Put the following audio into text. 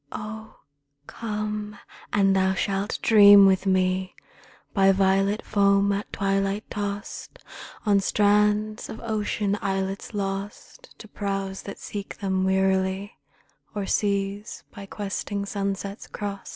Ohl come! and thou shalt dream with me By violet foam at twilight tost On strands of ocean islets lost To prows that seek them wearily, O'er seas by questing sunsets crost.